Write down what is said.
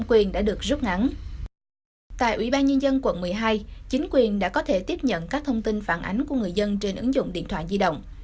tại ủy ban nhân dân quận một mươi hai chính quyền đã có thể tiếp nhận các thông tin phản ánh của người dân trên ứng dụng điện thoại di động